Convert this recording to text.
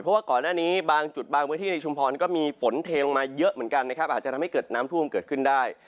เพราะว่าก่อนหน้านี้บางจุดบางพื้นที่ในชุมพรก็มีฝนเทลงมาเยอะเหมือนกันนะครับอาจจะทำให้เกิดน้ำท่วมเกิดขึ้นได้